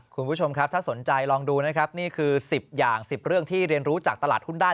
คุณผู้ชมครับถ้าสนใจลองดูนะครับนี่คือ๑๐อย่าง๑๐เรื่องที่เรียนรู้จากตลาดหุ้นได้